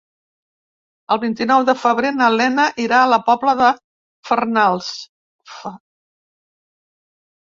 El vint-i-nou de febrer na Lena irà a la Pobla de Farnals.